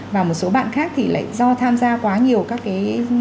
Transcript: và một số bạn khác thì lại do tham gia quá nhiều các cái